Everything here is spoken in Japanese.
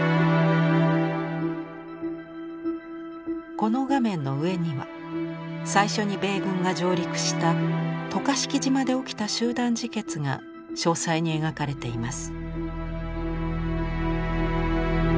この画面の上には最初に米軍が上陸した渡嘉敷島で起きた集団自決が詳細に描かれています。